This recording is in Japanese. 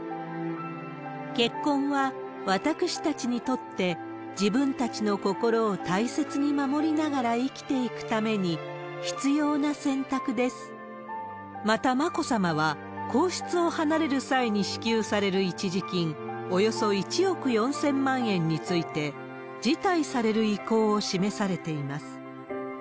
結婚は、私たちにとって自分たちの心を大切に守りながら生きていくためにまた、眞子さまは皇室を離れる際に支給される一時金、およそ１億４０００万円について辞退される意向を示されています。